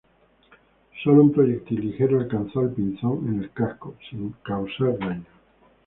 Sólo un proyectil ligero alcanzó al "Pinzón" en el casco, sin causar daños.